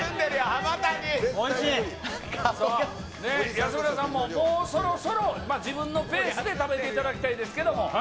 安村さんも、もうそろそろ、自分のペースで食べていただきたいんですけれども。